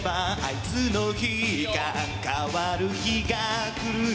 「いつの日か変わる日がくる」